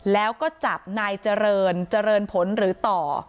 แล้วก็จับนายเจริญเจริญผลหรือต่อ